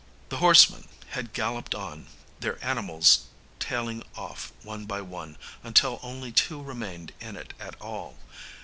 The horsemen had galloped on, their animals tailing off one by one, until only two remained in it at all.